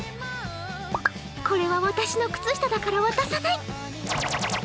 これは私の靴下だから渡さない！